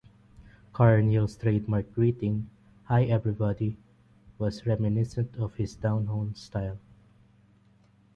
Carneal's trademark greeting, "Hi everybody", was reminiscent of his down-home style.